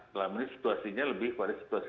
dalam ini situasinya lebih pada